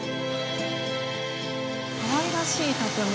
かわいらしい建物。